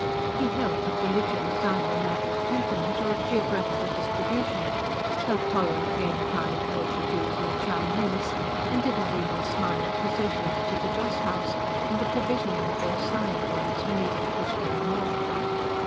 He held that religion was either a matter of temperament, or of geographical distribution; felt tolerantly inclined towards the Jews, and the Chinese; and did not even smile at processions to the Joss house, and the provisioning of those silent ones who needed food no more.